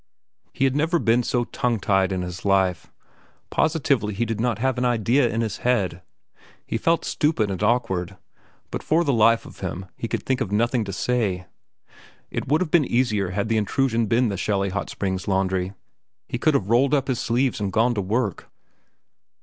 He had never been so tongue tied in his life. Positively he did not have an idea in his head. He felt stupid and awkward, but for the life of him he could think of nothing to say. It would have been easier had the intrusion been the Shelly Hot Springs laundry. He could have rolled up his sleeves and gone to work.